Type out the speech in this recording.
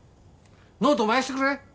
ノート燃やしてくれ。